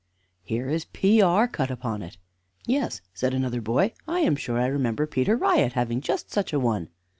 "Here is 'P.R.' cut upon it." "Yes," said another boy, "I am sure I remember Peter Riot having just such a one."